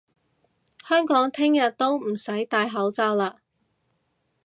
香港聽日都唔使戴口罩嘞！